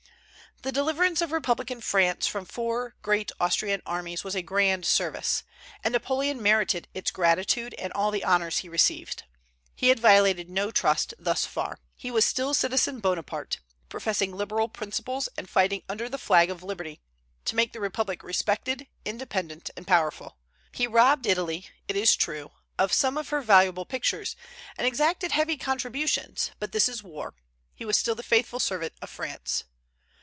The deliverance of republican France from four great Austrian armies was a grand service; and Napoleon merited its gratitude and all the honors he received. He had violated no trust thus far. He was still Citizen Bonaparte, professing liberal principles, and fighting under the flag of liberty, to make the Republic respected, independent, and powerful. He robbed Italy, it is true, of some of her valuable pictures, and exacted heavy contributions; but this is war. He was still the faithful servant of France.